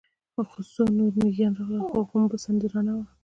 څو نور مېږيان راغلل، خو غومبسه درنه وه.